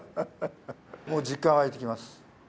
もう実感湧いてきます。